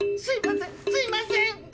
すいません！